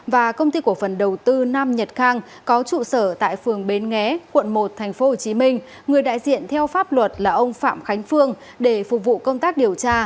và công ty cổ phần đầu tư nam nhật khang có trụ sở tại phường bến nghé quận một tp hcm người đại diện theo pháp luật là ông phạm khánh phương để phục vụ công tác điều tra